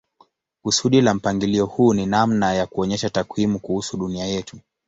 Kusudi la mpangilio huu ni namna ya kuonyesha takwimu kuhusu dunia yetu.